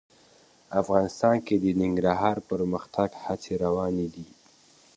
افغانستان کې د ننګرهار د پرمختګ هڅې روانې دي.